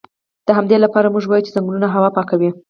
د همدې لپاره موږ وایو چې ځنګلونه هوا پاکوي